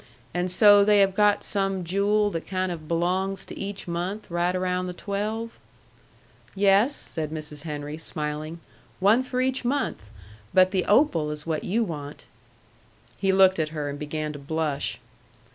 And so they have got some jewel that kind of belongs to each month right around the twelve?" "Yes," said Mrs. Henry, smiling. "One for each month. But the opal is what you want." He looked at her, and began to blush.